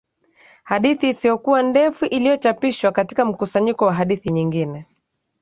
hadithi isiyokuwa ndefu iliyochapishwa katika mkusanyiko wa hadithi nyingine.